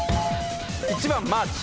１番マーチ。